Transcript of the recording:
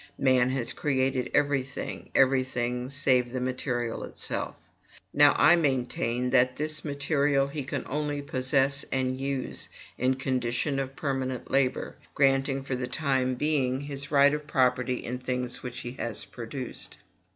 Man has created every thing every thing save the material itself. Now, I maintain that this material he can only possess and use, on condition of permanent labor, granting, for the time being, his right of property in things which he has produced.